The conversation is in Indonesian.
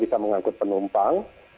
bisa mengangkut penumpang